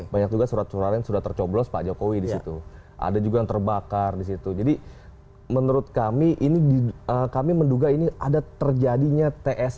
banyak juga surat surat yang sudah tercoblos pak jokowi di situ ada juga yang terbakar disitu jadi menurut kami ini kami menduga ini ada terjadinya tsm